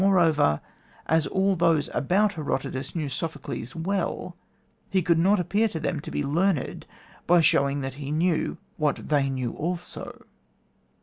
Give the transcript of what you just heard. Moreover, as all those about Herodotus knew Sophocles well, he could not appear to them to be learned by showing that he knew what they knew also.'